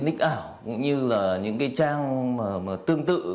những cái ních ảo cũng như là những cái trang tương tự